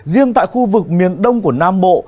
riêng tại khu vực miền đông của nam bộ